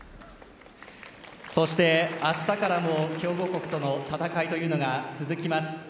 そして明日からも強豪国との戦いが続きます。